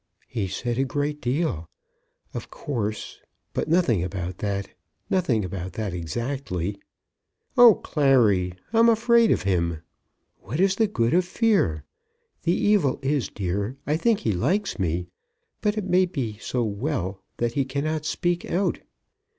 "He said a great deal, of course; but nothing about that; nothing about that exactly." "Oh, Clary, I'm afraid of him." "What is the good of fear? The evil is, dear, I think he likes me, but it may so well be that he cannot speak out.